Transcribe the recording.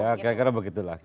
ya kira kira begitulah